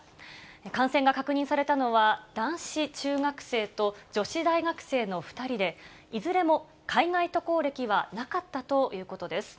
感染が確認されたのは男子中学生と女子大学生の２人で、いずれも海外渡航歴はなかったということです。